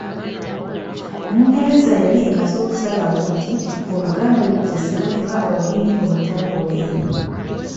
Bungereza yali emaze okusalawo nti Oluganda lukozesebwe ng'olulimi olutongole.